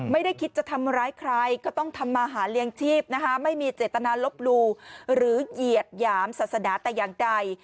ไม่ได้คิดจะทำร้ายใครก็ต้องทำมาหาเลี้ยงชีพนะคะไม่มีเจตนาลบลูหรือเหยียดหยามศาสนาแต่อย่างใด